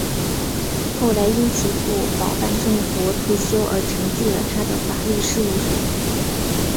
后来因其父保坂正国退休而承继了他的法律事务所。